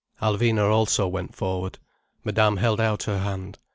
Alvina also went forward. Madame held out her hand.